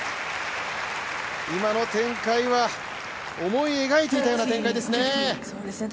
今の展開は、思い描いていたような展開ですね。